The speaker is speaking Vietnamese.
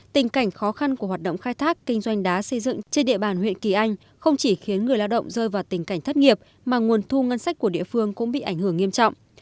tình cảnh khó khăn của hoạt động khai thác kinh doanh đá xây dựng trên địa bàn huyện kỳ anh không chỉ khiến người lao động rơi vào tình cảnh thất nghiệp mà nguồn thu ngân sách của địa phương cũng bị ảnh hưởng nghiêm trọng